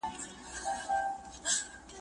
یو بوټی هم چېرته شین دی